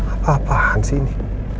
apa apaan sih ini